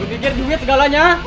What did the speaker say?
lu pikir duit segalanya